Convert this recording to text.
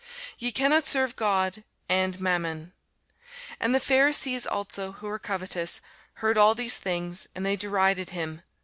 Ye cannot serve God and mammon. And the Pharisees also, who were covetous, heard all these things: and they derided him.